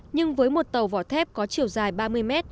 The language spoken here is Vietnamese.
nhưng với một tàu vỏ thép có chiều dài ba mươi mét